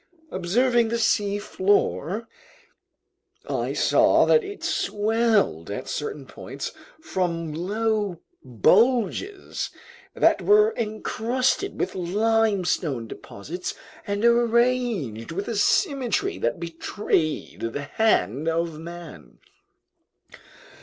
Observing the seafloor, I saw that it swelled at certain points from low bulges that were encrusted with limestone deposits and arranged with a symmetry that betrayed the hand of man.